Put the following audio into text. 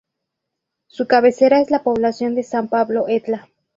Su cabecera es la población de San Pablo Etla.